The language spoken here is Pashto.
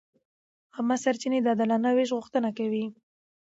عامه سرچینې د عادلانه وېش غوښتنه کوي.